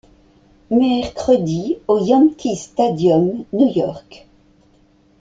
Mercredi au Yankee Stadium, New York.